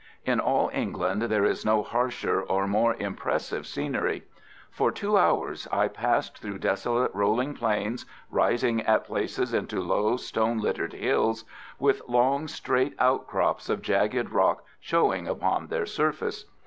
In all England there is no harsher or more impressive scenery. For two hours I passed through desolate rolling plains, rising at places into low, stone littered hills, with long, straight outcrops of jagged rock showing upon their surface.